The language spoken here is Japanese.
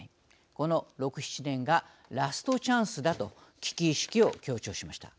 この６７年がラストチャンスだと危機意識を強調しました。